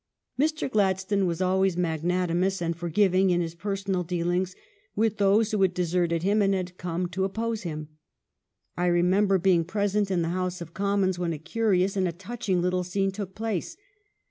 Mr. Gladstone was always magnanimous and forgiving in his personal dealings with those who had deserted him and had come to oppose him. I remember being present in the House of Commons when a curious and a touching little scene took place.